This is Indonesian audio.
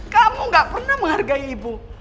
kamu gak pernah menghargai ibu